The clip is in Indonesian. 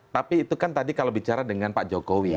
tapi itu kan tadi kalau bicara dengan pak jokowi